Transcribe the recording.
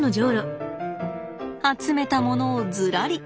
集めたものをずらり。